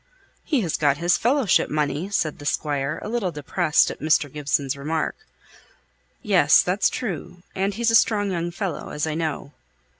"He's got his Fellowship money," said the Squire, a little depressed at Mr. Gibson's remark. "Yes; that's true. And he's a strong young fellow, as I know."